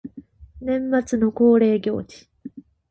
年末の恒例行事